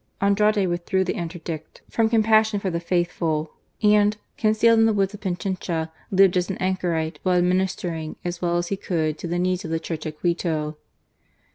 Andrade withdrew the interdict from compassion for the faithful ; and, concealed in the woods of Pichincha, lived as an anchorite, while administering, as well as he could, to the needs of the Church at Quito.